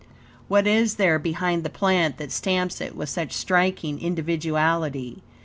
What is there behind the plant that stamps it with such striking individuality?